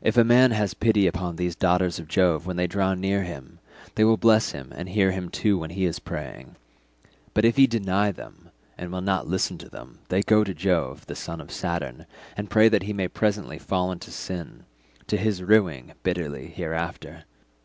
If a man has pity upon these daughters of Jove when they draw near him, they will bless him and hear him too when he is praying; but if he deny them and will not listen to them, they go to Jove the son of Saturn and pray that he may presently fall into sin—to his ruing bitterly hereafter.